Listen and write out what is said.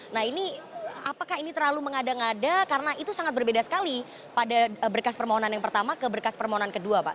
nah ini apakah ini terlalu mengada ngada karena itu sangat berbeda sekali pada berkas permohonan yang pertama ke berkas permohonan kedua pak